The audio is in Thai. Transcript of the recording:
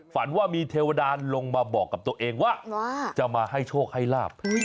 ฝันว่ามีเทวดานลงมาบอกกับตัวเองว่าจะมาให้โชคให้ลาบ